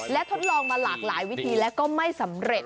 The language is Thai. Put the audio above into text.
และทดลองมาหลากหลายวิธีแล้วก็ไม่สำเร็จ